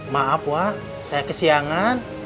maaf wa saya kesiangan